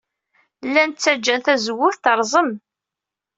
Llan ttajjan tazewwut terẓem.